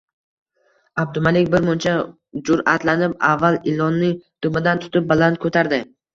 Abdumalik bir muncha jur`atlanib, avval ilonning dumidan tutib, baland ko`tardi